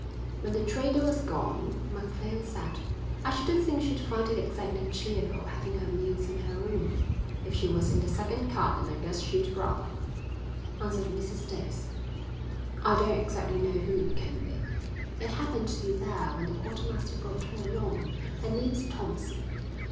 When the trader was gone Macphail said: "I shouldn't think she'd find it exactly cheerful having her meals in her room." "If she was in the second cabin I guess she'd rather," answered Mrs Davidson. "I don't exactly know who it can be." "I happened to be there when the quartermaster brought her along. Her name's Thompson."